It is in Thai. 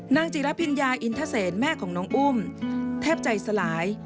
จิระพิญญาอินทเซนแม่ของน้องอุ้มแทบใจสลาย